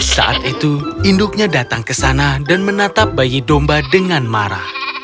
saat itu induknya datang ke sana dan menatap bayi domba dengan marah